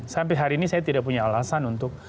sampai hari ini saya tidak punya alasan untuk